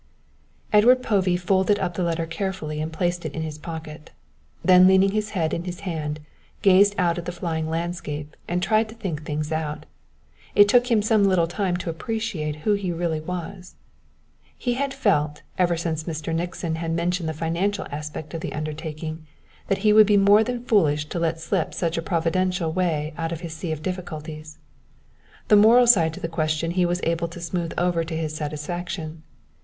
_" Edward Povey folded up the letter carefully and placed it in his pocket. Then, leaning his head in his hand, gazed out at the flying landscape and tried to think things out. It took him some little time to appreciate who he really was. He had felt, ever since Mr. Nixon had mentioned the financial aspect of the undertaking, that he would be more than foolish to let slip such a providential way out of his sea of difficulties. The moral side to the question he was able to smooth over to his satisfaction.